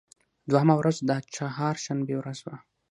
دوهمه ورځ د چهار شنبې ورځ وه.